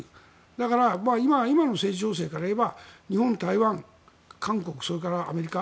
だから、今の政治情勢から言えば日本、台湾、韓国それからアメリカ。